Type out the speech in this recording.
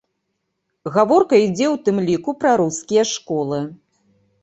Гаворка ідзе ў тым ліку пра рускія школы.